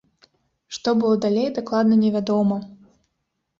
Што было далей дакладна невядома.